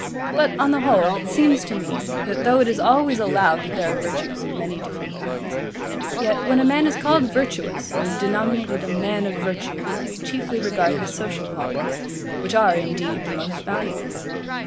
But on the whole, it seems to me, that though it is always allowed, that there are virtues of many different kinds, yet, when a man is called virtuous, or is denominated a man of virtue, we chiefly regard his social qualities, which are, indeed, the most valuable.